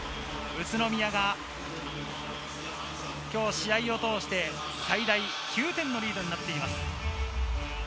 宇都宮が今日試合を通して、最大９点のリードになっています。